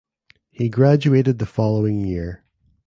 He graduated the following year.